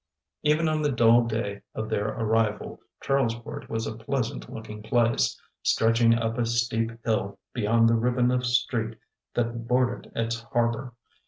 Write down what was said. Even on the dull day of their arrival, Charlesport was a pleasant looking place, stretching up a steep hill beyond the ribbon of street that bordered its harbor.